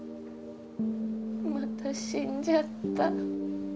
また死んじゃった。